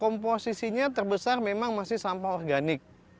komposisinya terbesar memang masih sampah organik